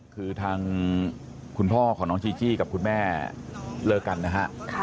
คือทางคุณพ่อของน้องจีจี้กับคุณแม่เลิกกันนะฮะ